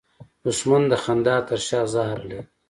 دښمن د خندا تر شا زهر لري